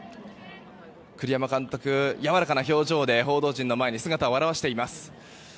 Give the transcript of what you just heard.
栗山監督、やわらかな表情で報道陣の前に姿を現しています。